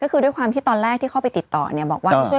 ก็คือด้วยความที่ตอนแรกที่เข้าไปติดต่อเนี่ยบอกว่าช่วย